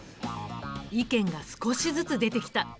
意見が少しずつ出てきた。